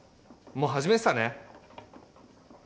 もう始めてたね